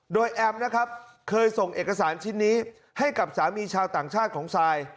โดยแอมนะครับเคยส่งเอกสารชิ้นนี้ให้กับสามีชาวต่างชาติของซาย